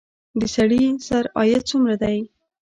د سړي سر عاید څومره دی؟